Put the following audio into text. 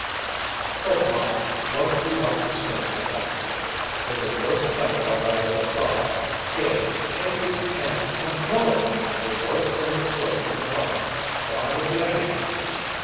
"But, Ma, what do you want to scrimp like that for! You're the worst tightwad I ever saw. Here, take this ten and blow it. You're worse than the squirrels in the park, darned if you ain't!"